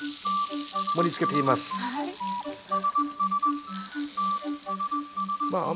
盛りつけていきます。